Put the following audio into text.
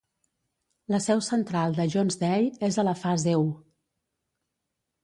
La seu central de Jones Day és a la Fase I.